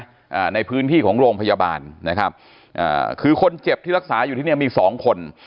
อ่าในพื้นที่ของโรงพยาบาลนะครับอ่าคือคนเจ็บที่รักษาอยู่ที่เนี้ยมีสองคน